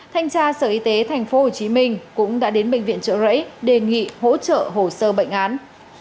thanh tra sở y tế tp hcm cũng đã đến bệnh viện trợ rẫy đề nghị hỗ trợ hồ sơ bệnh án